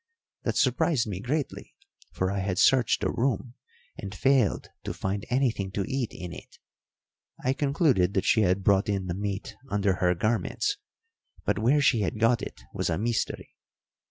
That surprised me greatly, for I had searched the room and failed to find anything to eat in it. I concluded that she had brought in the meat under her garments, but where she had got it was a mystery.